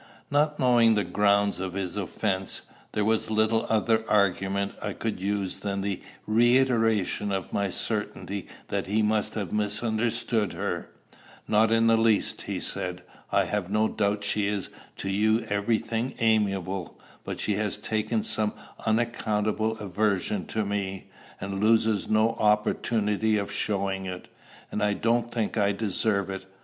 Not knowing the grounds of his offence, there was little other argument I could use than the reiteration of my certainty that he must have misunderstood her. 'Not in the least,' he said. 'I have no doubt she is to you every thing amiable; but she has taken some unaccountable aversion to me, and loses no opportunity of showing it. And I don't think I deserve it.'